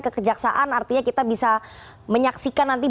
kekejaksaan artinya kita bisa menyaksikan nanti